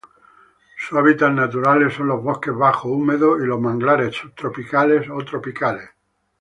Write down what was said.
Sus hábitats naturales son los bosques bajos húmedos y los manglares subtropicales o tropicales.